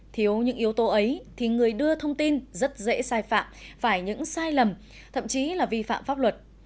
thiếu những yếu tố ấy thì người đưa thông tin rất dễ sai phạm phải những sai lầm thậm chí là vi phạm pháp luật